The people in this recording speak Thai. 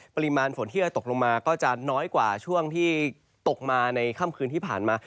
ปริมาณฝนที่จะตกลงมาก็จะน้อยกว่าช่วงที่ตกมาในค่ำคืนที่ผ่านมา